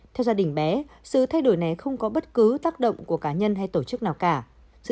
theo gia đình bé sự thay đổi này không có bất cứ tác động của cá nhân hay tổ chức nào cả